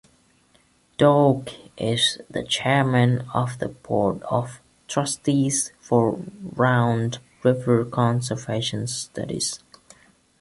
Doug is the chairman of the board of trustees for Round River Conservation Studies.